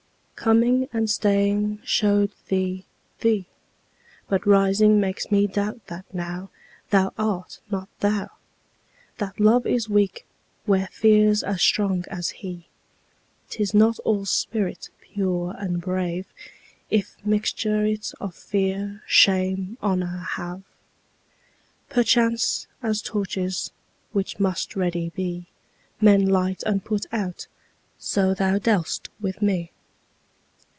Coming and staying show'd thee thee; But rising makes me doubt that nowThou art not thou. That Love is weak where Fear's as strong as he;'Tis not all spirit pure and brave, If mixture it of Fear, Shame, Honour have. Perchance, as torches, which must ready be, Men light and put out, so thou dealst with me.